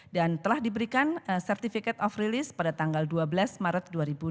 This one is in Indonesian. dan telah diberikan certificate of release pada tanggal dua belas maret dua ribu dua puluh satu